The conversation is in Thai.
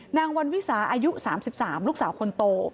นางวันวิสาอายุ๓๓ลูกสาวคนโต